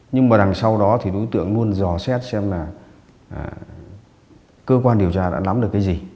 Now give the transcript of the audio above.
nhưng mà đằng sau đó thì đối tượng luôn dò xét xem là cơ quan điều tra đã nắm được cái gì